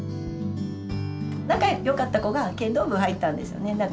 仲良かった子が剣道部入ったんですよね。